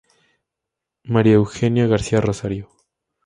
Mª Eugenia García Rosario.